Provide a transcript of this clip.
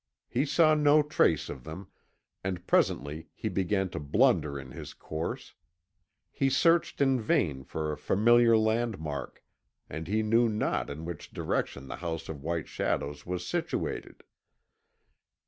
He saw no trace of them, and presently he began to blunder in his course; he searched in vain for a familiar landmark, and he knew not in which direction the House of White Shadows was situated.